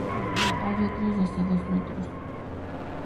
Hay otros de hasta dos metros.